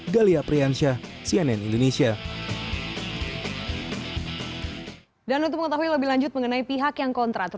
galiapriansyah cnn indonesia